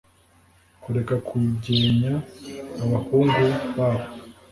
kureka kugenya abahungu babo